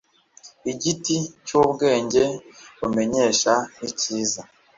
igiti cy’ubwenge bumenyesha icyiza